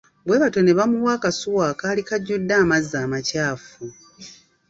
Bwe batyo ne bamuwa akasuwa akaali kajjude amazzi amakyafu.